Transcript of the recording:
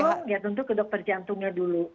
jantung ya tentu ke dokter jantungnya dulu